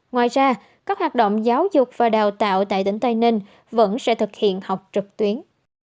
ngoài ra các hoạt động giáo dục và đào tạo tại tỉnh tây ninh vẫn sẽ thực hiện học trực tuyến